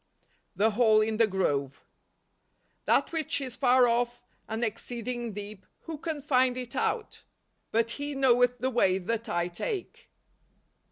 The Ttall in the Grove. " That which is far off, and exceeding deep, who can find it out ?"" But He knoweth the way that I take."